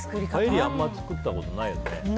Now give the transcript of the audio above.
パエリアあんま作ったことないよね。